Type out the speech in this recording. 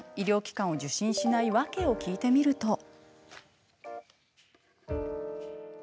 医療機関を受診しない訳を聞いてみると。